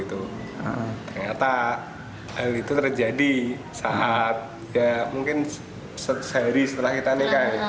ternyata hal itu terjadi saat ya mungkin sehari setelah kita nikah